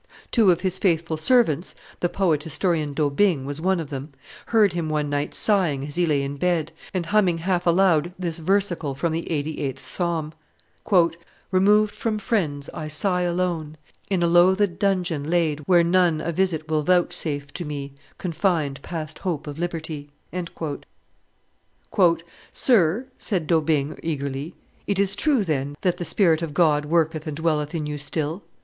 Two of his faithful servants (the poet historian D'Aubigne was one of them) heard him one night sighing as he lay in bed, and humming half aloud this versicle from the eighty eighth Psalm: "Removed from friends, I sigh alone, In a loathed dungeon laid, where none A visit will vouchsafe to me, Confined past hope of liberty." "Sir," said D'Aubigne eagerly, "it is true, then, that the Sprit of God worketh and dwelleth in you still?